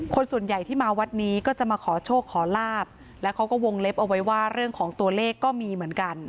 คนส่วนใหญ่ที่มาวัดนี้ก็จะมาขอโชคขอลาบแล้วเขาก็วงเล็บเอาไว้ว่าเรื่องของตัวเลขก็มีเหมือนกัน